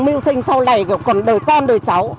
mưu sinh sau này còn đời con đời cháu